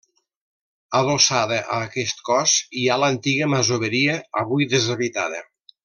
Adossada a aquest cos hi ha l'antiga masoveria, avui deshabitada.